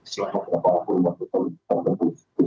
setelah beberapa bulan ke depan